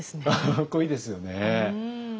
かっこいいですよね。